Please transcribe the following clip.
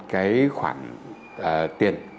cái khoản tiền